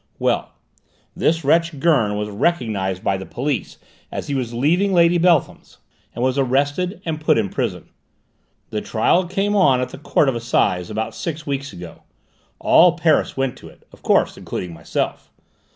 "Well, this wretch, Gurn, was recognised by the police as he was leaving Lady Beltham's, and was arrested and put in prison. The trial came on at the Court of Assize about six weeks ago. All Paris went to it, of course including myself!